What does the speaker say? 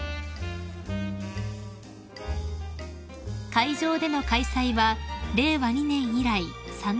［会場での開催は令和２年以来３年ぶりです］